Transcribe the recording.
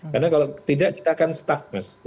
karena kalau tidak kita akan stuck mas